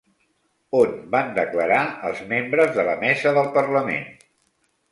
On van declarar els membres de la mesa del parlament?